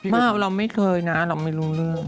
เราไม่เคยนะเราไม่รู้เรื่อง